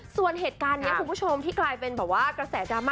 ส่วนเหตุการณ์ที่กลายเป็นกระแสดราม่า